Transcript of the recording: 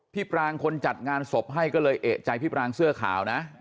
ปรางคนจัดงานศพให้ก็เลยเอกใจพี่ปรางเสื้อขาวนะ